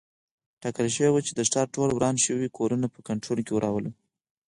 ټاکل شوي وه چې د ښار ټول وران شوي کورونه په کنټرول کې راولو.